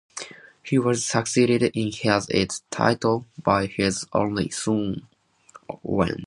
He was succeeded in his titles by his only son, Owen.